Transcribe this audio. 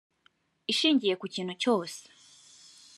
ishingiye ku kintu cyose,